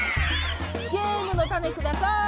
ゲームのタネ下さい！